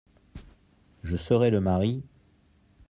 Je serais le mari…